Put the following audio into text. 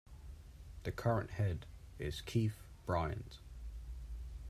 The current head is Keith Bryant.